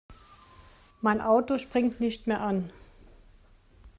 Mein Auto springt nicht mehr an.